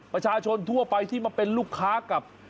ประชาชนทั่วไปที่มาเป็นลูกค้ากับ